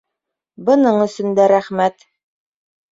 Бының өсөн дә рәхмәт.